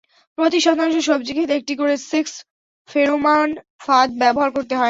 প্রতি শতাংশ সবজিখেতে একটি করে সেক্স ফেরোমন ফাঁদ ব্যবহার করতে হয়।